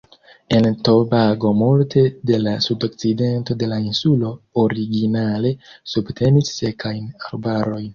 En Tobago multe de la sudokcidento de la insulo originale subtenis sekajn arbarojn.